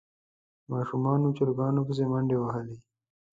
ماشومانو چرګانو پسې منډې وهلې.